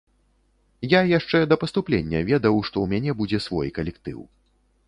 Я яшчэ да паступлення ведаў, што ў мяне будзе свой калектыў.